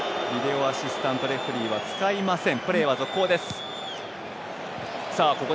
ビデオアシスタントレフェリーは使いません。